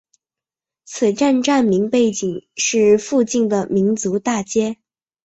此站站名背景是附近的民族大街。